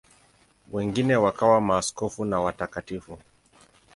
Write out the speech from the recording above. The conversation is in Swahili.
Wengine wakawa maaskofu na watakatifu.